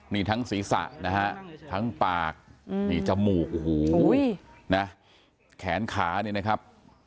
มีทั้งศีรษะนะฮะทั้งปากมีจมูกแขนขานี่นะครับ